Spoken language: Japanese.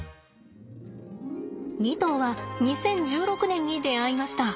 ２頭は２０１６年に出会いました。